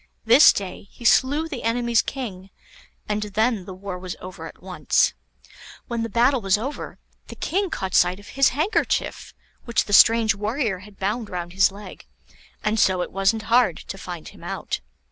This day he slew the enemy's king, and then the war was over at once. When the battle was over, the King caught sight of his handkerchief, which the strange warrior had bound round his leg, and so it wasn't hard to find him out.